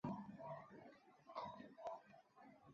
急救部门和警方随即赶往现场。